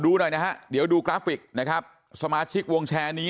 ดูหน่อยนะฮะเดี๋ยวดูกราฟิกนะครับสมาชิกวงแชร์นี้